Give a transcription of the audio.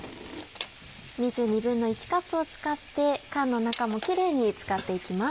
水１／２カップを使って缶の中もキレイに使っていきます。